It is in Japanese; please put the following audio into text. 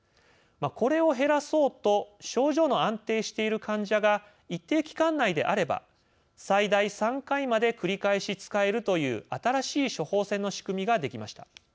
これを減らそうと症状の安定している患者が一定期間内であれば最大３回まで繰り返し使えるという新しい処方箋の仕組みができました。